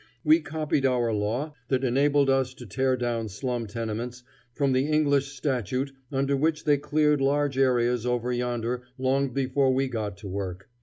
We copied our law that enabled us to tear down slum tenements from the English statute under which they cleared large areas over yonder long before we got to work.